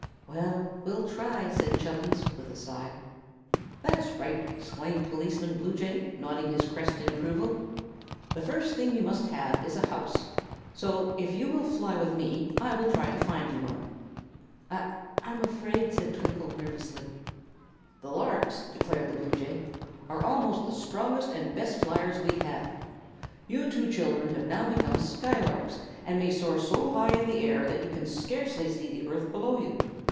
"Well, we'll try," said Chubbins, with a sigh. "That's right," exclaimed Policeman Bluejay, nodding his crest in approval. "The first thing you must have is a house; so, if you will fly with me, I will try to find you one." "I I'm afraid!" said Twinkle, nervously. "The larks," declared the bluejay, "are almost the strongest and best flyers we have. You two children have now become skylarks, and may soar so high in the air that you can scarcely see the earth below you.